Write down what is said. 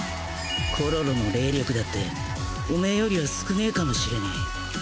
コロロの霊力だってオメエよりは少ねえかもしれねえ。